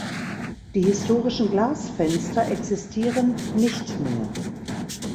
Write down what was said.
Die historischen Glasfenster existieren nicht mehr.